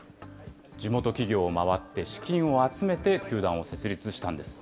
地元企業を回って、資金を集めて球団を設立したんです。